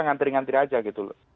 ngantri ngantri aja gitu loh